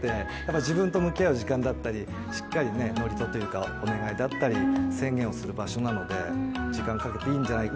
自分と向き合う時間だったりしっかり祝詞というか、お願いだったり宣言をする場所なので、時間かけていいんじゃないかと。